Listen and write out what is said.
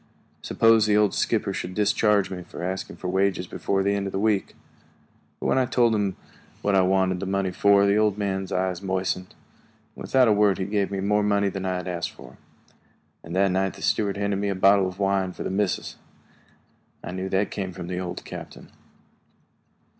Suppose the old skipper should discharge me for asking for wages before the end of the week? But when I told him what I wanted the money for, the old man's eyes moistened. Without a word he gave me more money than I had asked for, and that night the steward handed me a bottle of wine for the "missus." I knew that it came from the old captain.